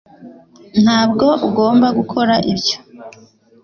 Ntabwo ugomba gukora ibyo.